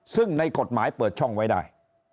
ซึ่งในกฎหมายเปิดช่องไว้ได้